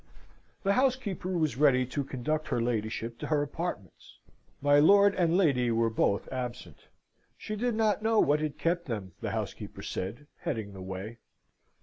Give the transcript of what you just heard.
The housekeeper was ready to conduct her ladyship to her apartments. My lord and lady were both absent. She did not know what had kept them, the housekeeper said, heading the way.